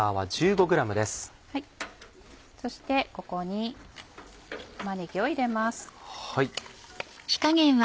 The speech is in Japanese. そしてここに玉ねぎを入れます。